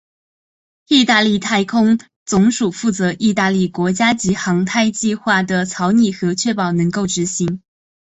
义大利太空总署负责义大利国家级航太计划的草拟和确保能够执行。